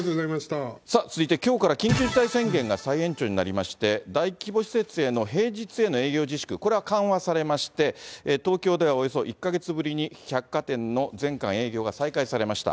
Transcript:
さあ、続いてきょうから緊急事態宣言が再延長になりまして、大規模施設への平日への営業自粛、これは緩和されまして、東京ではおよそ１か月ぶりに、百貨店の全館営業が再開されました。